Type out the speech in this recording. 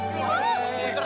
ini yang harus diberikan pak